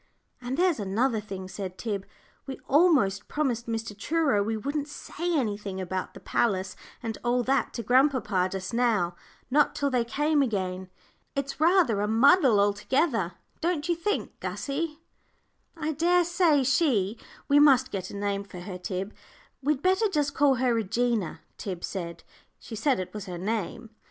"And there's another thing," said Tib: "we almost promised Mr. Truro we wouldn't say anything about the palace and all that to grandpapa just now not till they came again. It's rather a muddle altogether, don't you think, Gussie?" "I dare say she we must get a name for her, Tib " "We'd better just call her Regina," Tib said. "She said it was her name."